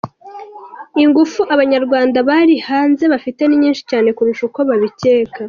Ingufu Abanyarwanda bari hanze bafite ni nyinshi cyane kurusha uko babikeka.